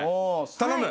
頼む！